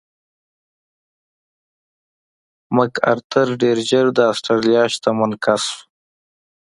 مک ارتر ډېر ژر د اسټرالیا شتمن کس شو.